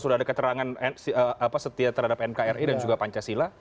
sudah ada keterangan setia terhadap nkri dan juga pancasila